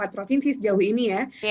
provinsi sejauh ini ya